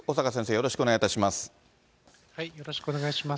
よろしくお願いします。